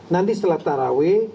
nanti setelah tarawe'